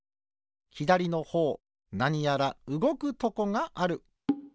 ひだりのほうなにやらうごくとこがある。